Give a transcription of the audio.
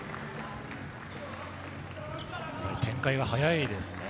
展開が速いですね。